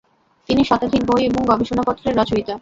তিনি শতাধিক বই এবং গবেষণাপত্রের রচয়িতা।